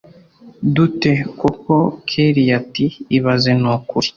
dute koko kellia ati ibaze nukuri